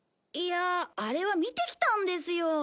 いやああれは見てきたんですよ